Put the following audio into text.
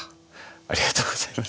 ありがとうございます。